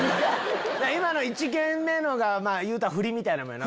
今の「１限目」のがいうたらふりみたいなもんやな。